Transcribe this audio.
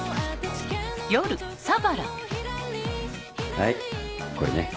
はいこれね。